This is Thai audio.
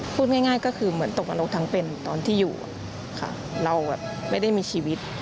พูดง่ายก็คือเหมือนตกนรกทั้งเป็นตอนที่อยู่เราแบบไม่ได้มีชีวิต